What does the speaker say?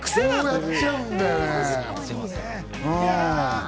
くせなの？